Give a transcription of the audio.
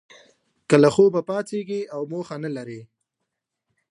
که له خوبه پاڅیږی او موخه نه لرئ